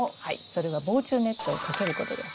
それは防虫ネットをかけることです。